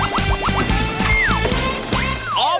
ป๊าโด